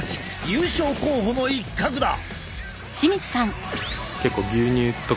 優勝候補の一角だ！